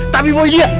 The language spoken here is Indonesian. tapi boy dia